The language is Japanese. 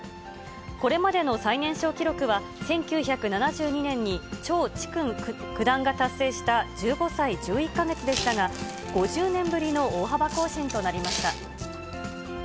これまでの最年少記録は、１９７２年に趙治勲九段が達成した１５歳１１か月でしたが、５０年ぶりの大幅更新となりました。